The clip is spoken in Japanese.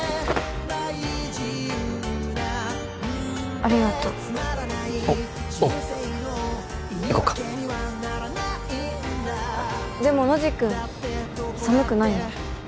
ありがとうおおう行こっかでもノジ君寒くないの？